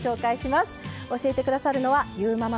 教えて下さるのはゆーママ